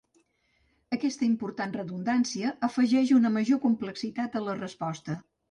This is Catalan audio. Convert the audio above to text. Aquesta important redundància afegeix una major complexitat a la resposta.